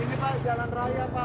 ini pak jalan raya pak